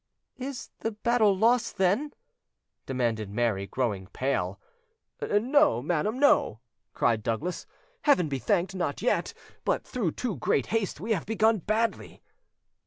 "Is the battle lost, then?" demanded Mary, growing pale. "No, madam, no," cried Douglas; "Heaven be thanked, not yet; but through too great haste we have begun badly."